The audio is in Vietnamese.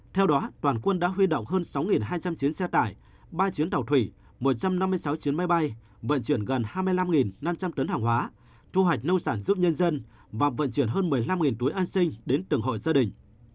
theo đó toàn quân đã huy động hơn sáu hai trăm linh chuyến xe tải ba chuyến tàu thủy một trăm năm mươi sáu chuyến bay vận chuyển gần hai mươi năm năm trăm linh tấn hàng hóa thu hoạch nông sản giúp nhân dân và vận chuyển hơn một mươi năm túi an sinh đến từng hội gia đình